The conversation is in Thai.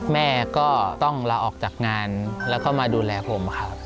แม่ก็ต้องลาออกจากงานแล้วก็มาดูแลผมครับ